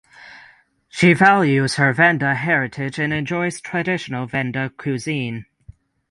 She values her Venda heritage and enjoys traditional Venda cuisine.